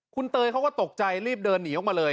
คุณเตยเขาก็ตกใจรีบเดินหนีออกมาเลย